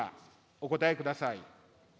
お答えください。